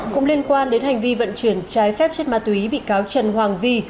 cũng liên quan đến hành vi vận chuyển trái phép chất ma túy bị cáo trần hoàng vi